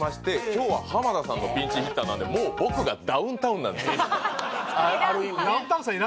今日は浜田さんのピンチヒッターなんである意味ねダウンタウンさん